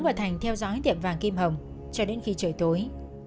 và thành theo dõi tiệm vàng kim hồng cho đến khi trời tối